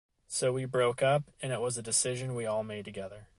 So we broke up and it was a decision we all made together.